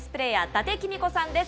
伊達公子さんです。